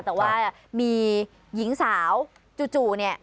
แต่ว่ามีหญิงสาวจู่เนี่ย